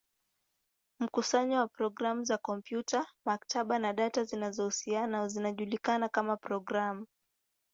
Mkusanyo wa programu za kompyuta, maktaba, na data zinazohusiana zinajulikana kama programu.